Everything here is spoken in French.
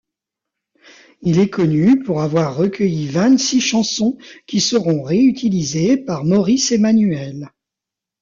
Il est connu pour avoir recueilli vingt-six chansons qui seront réutilisées par Maurice Emmanuel.